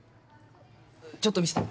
ちょっと見せて。